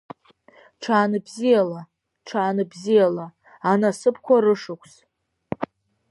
Ҽаанбзиала, ҽаанбзиала, анасыԥқәа рышықәс!